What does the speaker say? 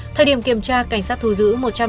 thời điểm kiểm tra cảnh sát thu giữ